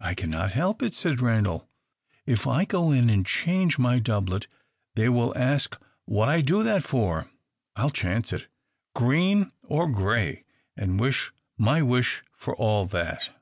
"I cannot help it," said Randal. "If I go in and change my doublet, they will ask what I do that for. I 'll chance it, green or grey, and wish my wish for all that."